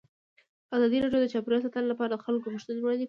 ازادي راډیو د چاپیریال ساتنه لپاره د خلکو غوښتنې وړاندې کړي.